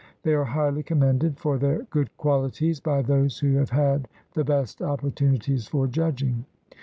They are highly commended for their good qualities by those who have had the best opportunities for judging.